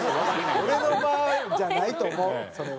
俺の間じゃないと思うそれは。